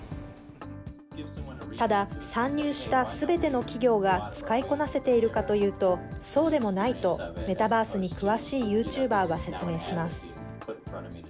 ただ、参入したすべての企業が使いこなせているかというと、そうでもないと、メタバースに詳しいユーチューバーは説明します。